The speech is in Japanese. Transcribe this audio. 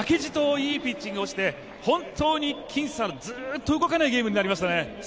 いいピッチングをして本当に僅差のずっと動かないゲームになりましたね。